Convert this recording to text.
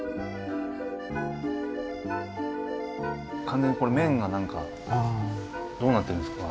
完全にこれ麺が何かどうなってるんですか？